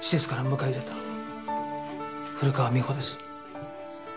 古川美穂です。